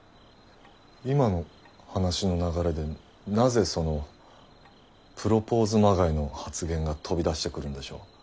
今の話の流れでなぜそのプロポーズまがいの発言が飛び出してくるんでしょう？